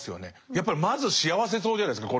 やっぱりまず幸せそうじゃないですか